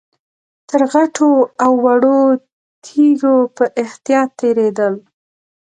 تر غټو او وړو تيږو په احتياط تېرېدل.